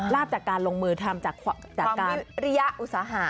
จากการลงมือทำจากการระยะอุตสาหะ